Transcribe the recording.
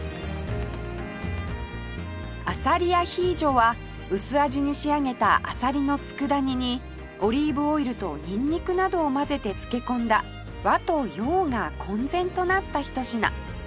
あさりアヒージョは薄味に仕上げたあさりの佃煮にオリーブオイルとニンニクなどを混ぜて漬け込んだ和と洋が混然となったひと品